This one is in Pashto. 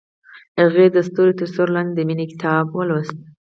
هغې د ستوري تر سیوري لاندې د مینې کتاب ولوست.